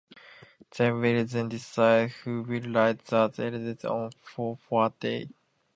They will then decide who will write what editorials and for what day.